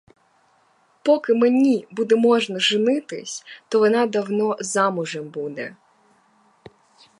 Поки мені буде можна женитись, то вона давно замужем буде.